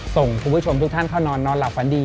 ส่งคุณผู้ชมทุกท่านเข้านอนนอนหลับฝันดี